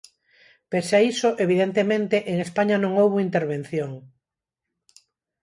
Pese a iso, evidentemente, en España non houbo intervención.